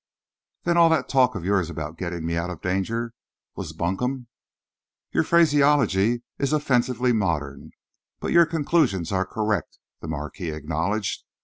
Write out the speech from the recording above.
"Then all that talk of yours about getting me out of danger was bunkum?" "Your phraseology is offensively modern, but your conclusions are correct," the Marquis acknowledged.